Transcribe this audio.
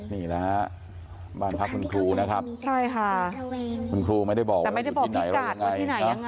นี่นะฮะบ้านพระคุณครูนะครับใช่ค่ะคุณครูไม่ได้บอกพี่กัดว่าที่ไหนยังไง